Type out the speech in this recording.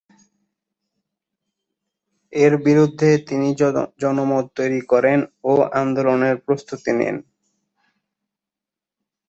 এর বিরুদ্ধে তিনি জনমত তৈরি করেন ও আন্দোলনের প্রস্তুতি নেন।